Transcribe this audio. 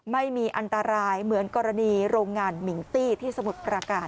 ไม่มีอันตรายเหมือนกรณีโรงงานมิงตี้ที่สมุทรประการ